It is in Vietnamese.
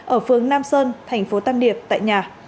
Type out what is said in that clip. ở phường nam sơn tp tam điệp tại nhà